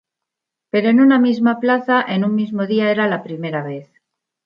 Pero en una misma plaza, en un mismo día era la primera vez.